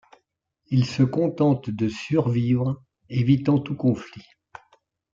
Il se contente de survivre, évitant tout conflit.